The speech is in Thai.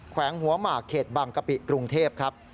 แขวงหัวมาร์เกตบังกะปิกรุงเทพครับ